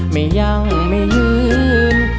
ไม่ยังไม่ยืน